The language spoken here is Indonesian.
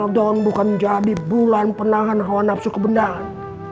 ramadhan bukan jadi bulan penahan hawa nafsu kebendaan